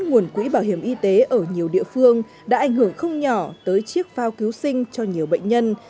nguồn quỹ bảo hiểm y tế ở nhiều địa phương đã ảnh hưởng không nhỏ tới chiếc phao cứu sinh cho nhiều bệnh nhân